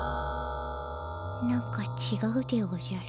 なんかちがうでおじゃる。